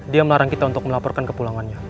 dia melarang kita untuk melaporkan kepulangannya